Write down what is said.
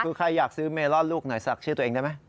คือใครอยากซื้อเมลอนลูกหน่อยสักชื่อตัวเองได้ไหม